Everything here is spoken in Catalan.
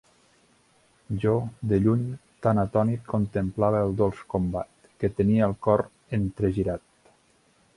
Jo, de lluny, tan atònit contemplava el dolç combat, que tenia el cor entregirat.